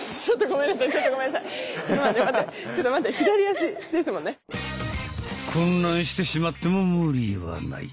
混乱してしまっても無理はない。